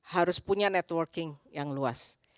harus punya networking yang luas